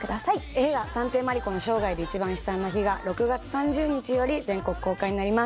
映画『探偵マリコの生涯で一番悲惨な日』が６月３０日より全国公開になります。